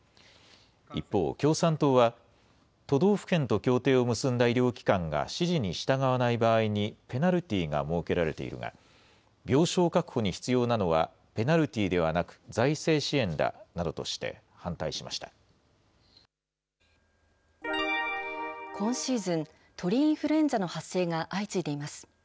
一方、共産党は、都道府県と協定を結んだ医療機関が指示に従わない場合にペナルティーが設けられているが、病床確保に必要なのはペナルティーではなく財政支援だなどとして今シーズン、鳥インフルエンザの発生が相次いでいます。